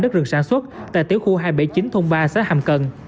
đất rừng sản xuất tại tiểu khu hai trăm bảy mươi chín thôn ba xã hàm cần